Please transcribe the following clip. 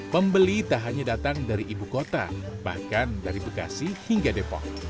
pembeli tak hanya datang dari ibu kota bahkan dari bekasi hingga depok